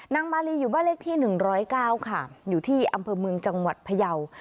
นางมาลีอยู่บ้านเล็กที่หนึ่งร้อยเก้าค่ะอยู่ที่อำเภอเมืองจังหวัดพยาว